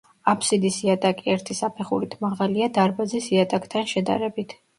აბსიდის იატაკი ერთი საფეხურით მაღალია დარბაზის იატაკთან შედარებით.